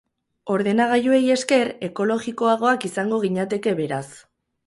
Ordenagailuei esker, ekologikoagoak izango ginateke, beraz.